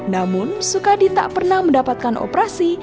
namun sukadi tak pernah mendapatkan operasi